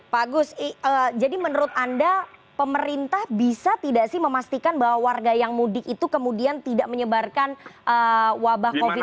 pak agus jadi menurut anda pemerintah bisa tidak sih memastikan bahwa warga yang mudik itu kemudian tidak menyebarkan wabah covid sembilan belas